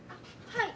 はい。